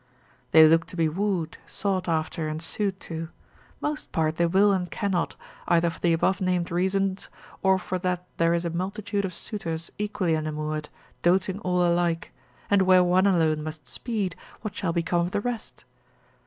They look to be wooed, sought after, and sued to. Most part they will and cannot, either for the above named reasons, or for that there is a multitude of suitors equally enamoured, doting all alike; and where one alone must speed, what shall become of the rest?